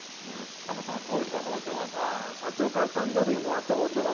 しかもその研いでた包丁がさ社長から誕生日にもらった包丁だったんだよね。